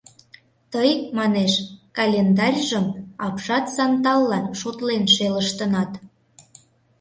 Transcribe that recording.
— Тый, — манеш, — календарьжым апшат санталлан шотлен шелыштынат.